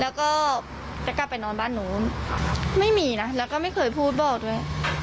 แล้วก็จะกลับไปนอนบ้านหนูไม่มีนะแล้วก็ไม่เคยพูดบอกด้วย